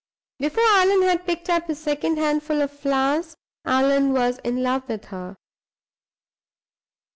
Before Allan had picked up his second handful of flowers, Allan was in love with her.